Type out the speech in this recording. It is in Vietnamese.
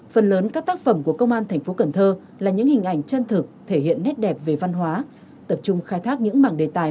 phần lớn các tác phẩm của công an thành phố cần thơ là những hình ảnh chân thực thể hiện nét đẹp về văn hóa tập trung khai thác những mảng đề tài